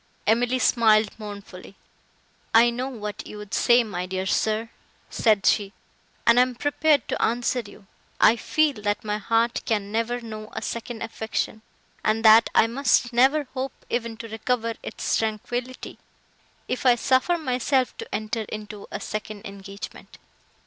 Emily smiled mournfully, "I know what you would say, my dear sir," said she, "and am prepared to answer you. I feel, that my heart can never know a second affection; and that I must never hope even to recover its tranquillity—if I suffer myself to enter into a second engagement."